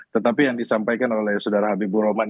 tetapi yang disampaikan oleh saudara habibur rahman